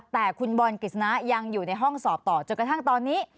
แต่คุณบอลกฤษณะยังอยู่ในห้องสอบต่อจนกระทั่งตอนนี้